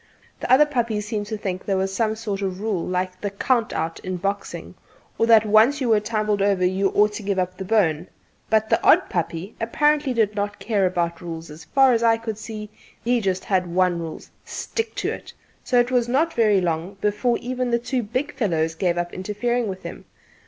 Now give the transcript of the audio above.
The other puppies seemed to think there was some sort of rule like the 'count out' in boxing, or that once you were tumbled over you ought to give up the bone; but the odd puppy apparently did not care about rules; as far as I could see, he had just one rule: "Stick to it," so it was not very long before even the two big fellows gave up interfering with him.